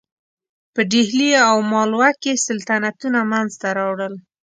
په ډهلي او مالوه کې سلطنتونه منځته راوړل.